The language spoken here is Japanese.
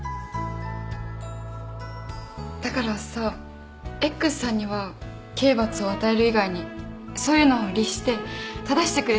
だからさＸさんには刑罰を与える以外にそういうのを律して正してくれる何かが必要なのかもね。